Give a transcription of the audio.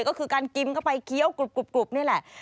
ก็คือการกินเข้าไปเคี้ยวกรุบนี่แหละ